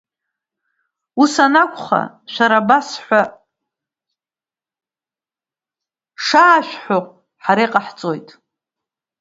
Ус анакәха, шәара абас ҳәа шаашәҳәо ҳара иҟаҳҵоит.